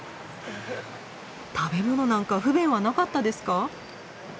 食べ物なんか不便はなかったですか？